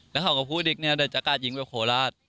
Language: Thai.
แล้วเขาก็พูดอีกเดี๋ยวจะกาดยิ้งแบบโขลาด